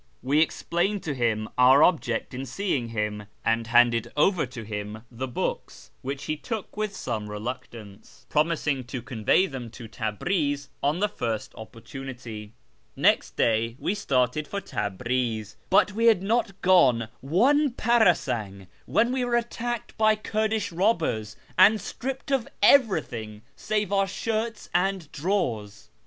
We explained to him our object in seeking him, and handed over to him the books, which he took with some reluctance, promising to 334 A YEAR AMONGST THE PERSIANS couvoy them to Tiibn'z on tlie first opportunity. Next day we started for Tabriz, but we liad not gone one parasan<r when we were attacked by Kurdish robbers and stripped of everything save our shirts and drawers.